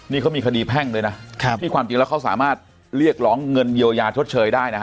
นี่เขามีคดีแพ่งด้วยนะที่ความจริงแล้วเขาสามารถเรียกร้องเงินเยียวยาชดเชยได้นะฮะ